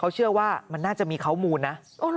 เขาเชื่อว่ามันน่าจะมีข้อมูลนะ